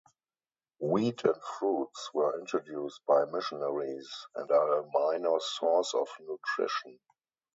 Wheat and fruits were introduced by missionaries and are a minor source of nutrition.